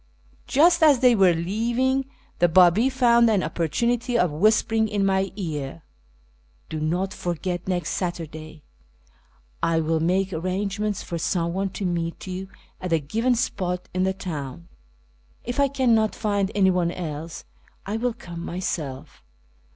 Just as they were leaving, the B;ibi found an opportunity of whispering in my ear, " Do not forget next Saturday. I 2IO ' A YEAR AMONGST T/IF ]'F.RSIANS will make arrauuenients for someone to meet you at a given spot in the town ; if I cannot find anyone else, 1 Mill come myself.